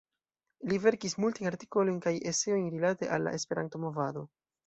Li verkis multajn artikolojn kaj eseojn rilate al la Esperanto-movado.